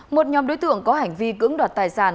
một nhóm đối tượng có hành vi cưỡng đoạt tài sản